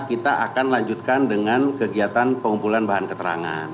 kita akan lanjutkan dengan kegiatan pengumpulan bahan keterangan